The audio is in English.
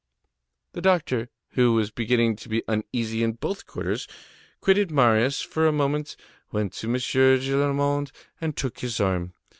The doctor, who was beginning to be uneasy in both quarters, quitted Marius for a moment, went to M. Gillenormand, and took his arm.